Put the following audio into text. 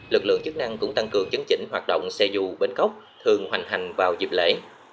lực lượng chức năng cũng tăng cường chấn chỉnh hoạt động xe dù bến cốc thường hoành hành vào dịp lễ